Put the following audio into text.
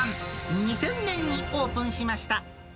２０００年にオープンしました。